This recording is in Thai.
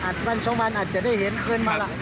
อาจวันช่วงวันอาจจะได้เห็นขึ้นมา